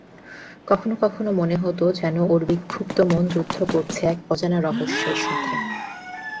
কখনো কখনো মনে হত যেন ওর বিক্ষুব্ধ মন যুদ্ধ করছে এক অজানা রহস্যের সাথে।